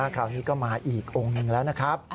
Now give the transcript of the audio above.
คราวนี้ก็มาอีกองค์หนึ่งแล้วนะครับ